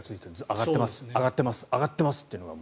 上がってます、上がってます上がってますというのが。